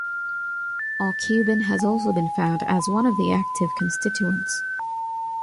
Aucubin has also been found as one the active constituents.